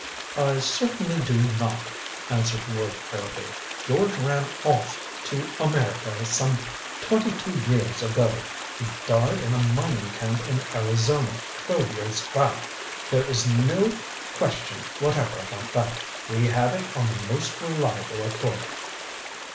"I certainly do not," answered Lord Harrowby. "George ran off to America some twenty two years ago. He died in a mining camp in Arizona twelve years back. There is no question whatever about that. We had it on the most reliable authority."